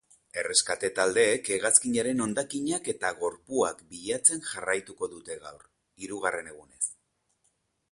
Erreskate taldeek hegazkinaren hondakinak eta gorpuak bilatzen jarraituko dute gaur, hirugarren egunez.